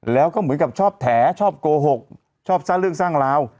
แล้วก็เหมือนกับชอบแถชอบโกหกชอบสร้างเรื่องสร้างราว